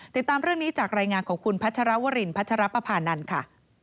ติดตามเรื่องนี้จากรายงานของคุณพัชรวรินพัชรปภานันทร์ค่ะ